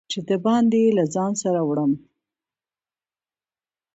چې د باندي یې له ځان سره وړم